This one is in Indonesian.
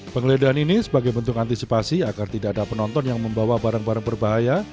penggeledahan ini sebagai bentuk antisipasi agar tidak ada penonton yang membawa barang barang berbahaya